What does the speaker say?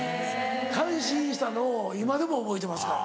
感心したのを今でも覚えてますから。